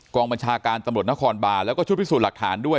กองบัญชาการตำรวจนครบานแล้วก็ชุดพิสูจน์หลักฐานด้วย